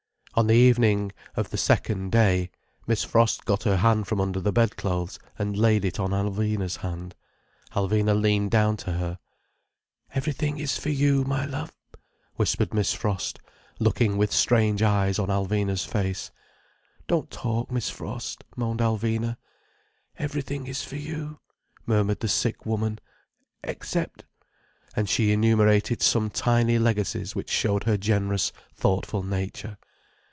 On the evening of the second day, Miss Frost got her hand from under the bedclothes, and laid it on Alvina's hand. Alvina leaned down to her. "Everything is for you, my love," whispered Miss Frost, looking with strange eyes on Alvina's face. "Don't talk, Miss Frost," moaned Alvina. "Everything is for you," murmured the sick woman—"except—" and she enumerated some tiny legacies which showed her generous, thoughtful nature.